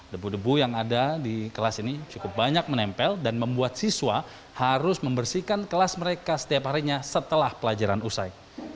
debu debu yang ada di kelas ini cukup banyak menempel dan membuat siswa harus membersihkan kelas mereka setiap harinya setelah pelajaran usai